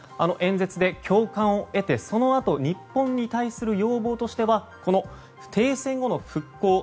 演説で共感を得てそのあと日本に対する要望としては停戦後の復興